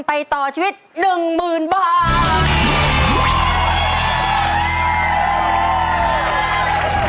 ต่อชีวิต๑๐๐๐บาท